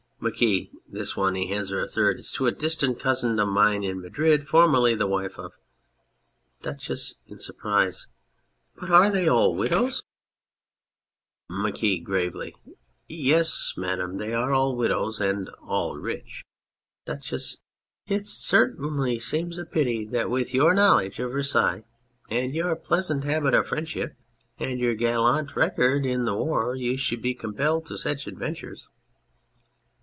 MARQUIS. This one (he hands her a third) is to a distant cousin of mine in Madrid, formerly the wife of DUCHESS (in surprise]. But are they all widows ? 217 On Anything MARQUIS (gravely). Yes, Madam, they are all widows and all rich. DUCHESS (sighing profoundly}. It certainly seems a pity that with your knowledge of Versailles and your pleasant habit of friendship ... and your gallant record in the war ... you should be compelled to such adventures.